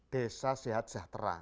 desa sehat sehtera